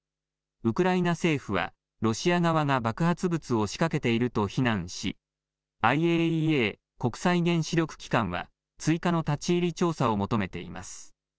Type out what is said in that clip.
ウクライナ政府はロシア側が爆発物を仕掛けていると非難しＩＡＥＡ・国際原子力機関は追加の立ち入り調査を求めています。